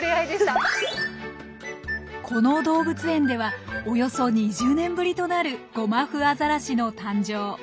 この動物園ではおよそ２０年ぶりとなるゴマフアザラシの誕生。